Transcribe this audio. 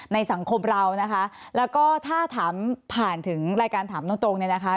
ในสังคมเรานะคะแล้วก็ถ้าถามผ่านถึงรายการถามตรงตรงเนี่ยนะคะ